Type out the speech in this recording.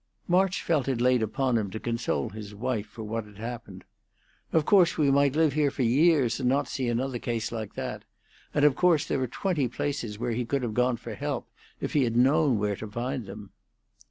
March felt it laid upon him to console his wife for what had happened. "Of course, we might live here for years and not see another case like that; and, of course, there are twenty places where he could have gone for help if he had known where to find them."